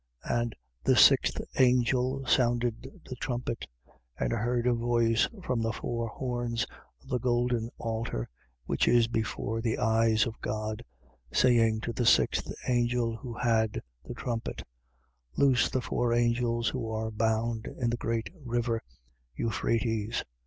9:13. And the sixth angel sounded the trumpet: and I heard a voice from the four horns of the golden altar which is before the eyes of God, 9:14. Saying to the sixth angel who had the trumpet: Loose the four angels who are bound in the great river Euphrates.